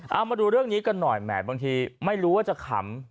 เอามาดูเรื่องนี้กันหน่อยแหมบางทีไม่รู้ว่าจะขำ